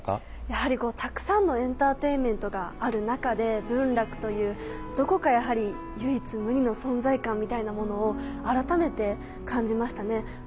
やはりたくさんのエンターテインメントがある中で文楽というどこかやはり唯一無二の存在感みたいなものを改めて感じましたね。